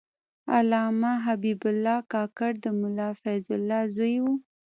علامه حبیب الله کاکړ د ملا فیض الله زوی و.